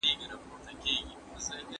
زده کړه د انسان ستر مقام دی.